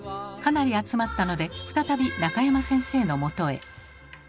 かなり集まったので再び中山先生のもとへ。